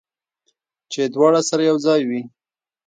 چې دواړه سره یو ځای وي